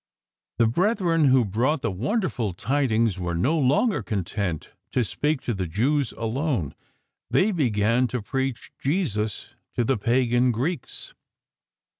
The brethren who brought the w'onderfuJ tidings were no longer content to speak to the Jews alone; they began to preach Jesus to the pagan Greeks.